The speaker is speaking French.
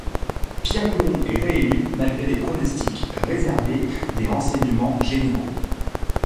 Pierre Buron est réélu malgré des pronostics réservés des Renseignements Généraux.